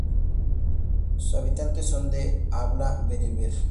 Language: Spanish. Sus habitantes son de habla bereber.